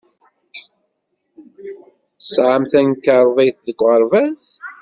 Tesɛam tamkarḍit deg uɣerbaz?